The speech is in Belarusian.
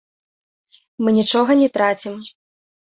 Мы нічога не трацім.